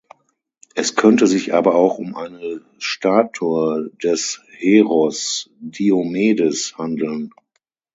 Es könnte sich aber auch um eine Statue des Heros Diomedes handeln.